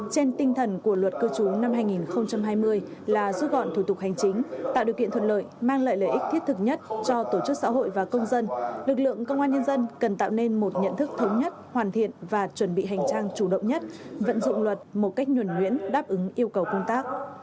trên tinh thần của luật cư trú năm hai nghìn hai mươi là rút gọn thủ tục hành chính tạo điều kiện thuận lợi mang lại lợi ích thiết thực nhất cho tổ chức xã hội và công dân lực lượng công an nhân dân cần tạo nên một nhận thức thống nhất hoàn thiện và chuẩn bị hành trang chủ động nhất vận dụng luật một cách nhuẩn nhuyễn đáp ứng yêu cầu công tác